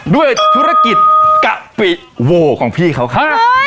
ด้วยธุรกิจกะปิโวของพี่เขาค่ะ